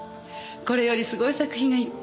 これよりすごい作品がいっぱい。